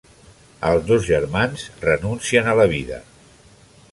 Els dos germans renuncien a la vida.